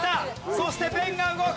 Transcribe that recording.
そしてペンが動く。